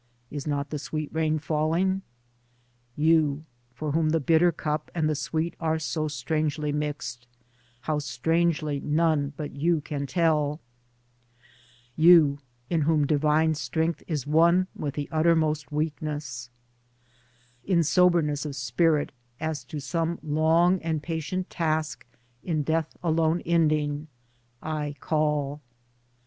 ( Is not the sweet rain falling?) Towards Democracy 29 You — for whom the bitter cup and the sweet are so strangely mixed — how strangely none but you can tell ; You — in whom divine strength is one with the utter most weakness ; In soberness of spirit, as to some long and patient task in death alone ending, I call.